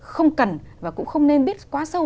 không cần và cũng không nên biết quá sâu